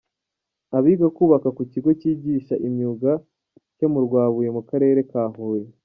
Abiga kubaka ku kigo cyigisha imyuga cyo mu Rwabuye mu karere ka Huye.